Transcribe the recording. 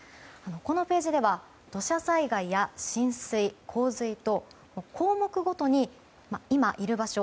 このページでは土砂災害や浸水、洪水と項目ごとに今いる場所